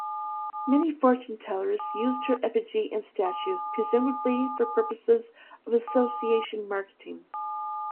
Many fortune tellers used her effigy and statue, presumably for purposes of association marketing.